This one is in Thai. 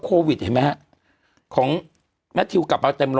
คือคือคือคือคือ